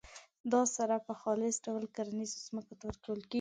دا سره په خالص ډول کرنیزو ځمکو ته ورکول کیږي.